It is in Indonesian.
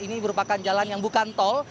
ini merupakan jalan yang bukan tol